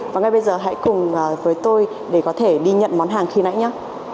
và ngay bây giờ hãy cùng với tôi để có thể đi nhận món hàng khi nãy nhé